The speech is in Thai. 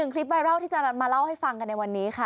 คลิปไวรัลที่จะมาเล่าให้ฟังกันในวันนี้ค่ะ